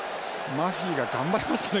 マフィが頑張りましたね